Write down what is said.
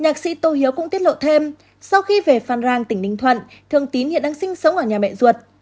nhạc sĩ tô hiếu cũng tiết lộ thêm sau khi về phan rang tỉnh ninh thuận thường tín hiện đang sinh sống ở nhà mẹ ruột